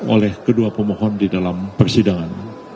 oleh kedua pemohon di dalam persidangan